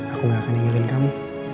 aku gak akan ingetin kamu